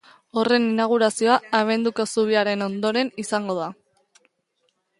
Horren inaugurazioa abenduko zubiaren ondoren izango da.